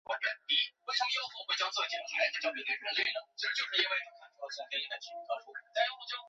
山棕榈为棕榈科棕榈属下的一个种。